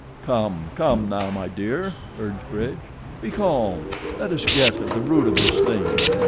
"Come, come, now, my dear," urged Bridge, "be calm. Let us get at the root of this thing.